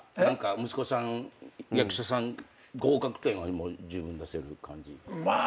息子さん役者さん合格点はもうじゅうぶん出せる感じ？